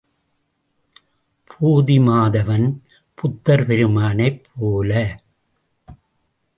போதிமாதவன் புத்தர் பெருமானைப் போல!